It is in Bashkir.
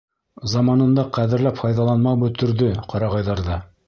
Заманында ҡәҙерләп файҙаланмау бөтөрҙө ҡарағайҙарҙы